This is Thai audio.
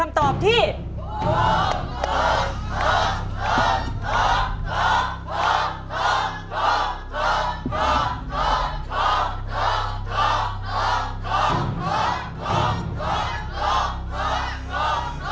ถ้าตอบถูก๔ข้อรับ๑๐๐๐๐๐๐บาท